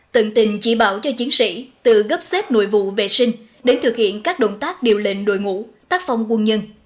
tận tình chỉ bảo cho chiến sĩ từ gấp xếp nội vụ vệ sinh đến thực hiện các động tác điều lệnh đội ngũ tác phong quân nhân